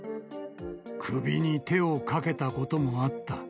首に手をかけたこともあった。